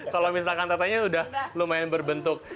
kalau misalkan ternyata sudah lumayan berbentuk